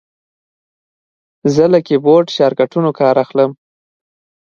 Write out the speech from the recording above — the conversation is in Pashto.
زه له کیبورډ شارټکټونو کار اخلم.